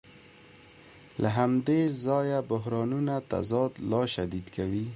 له همدې ځایه بحرانونه تضاد لا شدید کوي